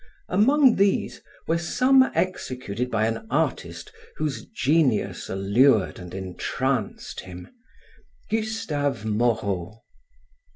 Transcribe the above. Among these were some executed by an artist whose genius allured and entranced him: Gustave Moreau.